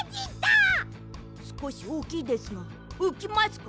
すこしおおきいですがうきますか？